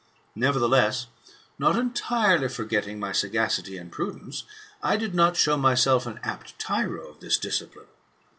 Nevertheless, not entirely forgetting my sagacity and prudence, I did not show myself an apt tyro of his discipline.